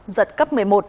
giật cấp một mươi một